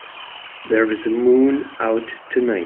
There's a moon out tonight.